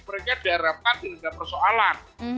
mereka diharapkan tidak ada persoalan